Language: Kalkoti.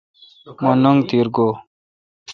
مہ ننگ تیرا گو°